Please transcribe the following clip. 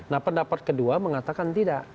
nah pendapat kedua mengatakan tidak